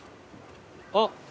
あっ。